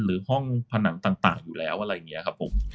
หรือห้องผนังต่างอยู่แล้วอะไรอย่างนี้ครับผม